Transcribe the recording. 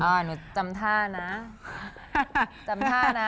หนูจำท่านะจำท่านะ